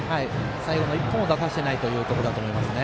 最後の１本を出させてないというところだと思いますね。